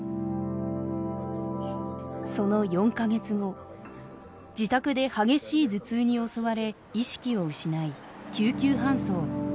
その４カ月後自宅で激しい頭痛に襲われ意識を失い救急搬送。